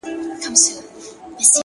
o نه ،نه محبوبي زما،